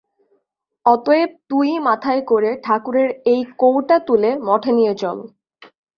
অতএব তুই-ই মাথায় করে ঠাকুরের এই কৌটা তুলে মঠে নিয়ে চল।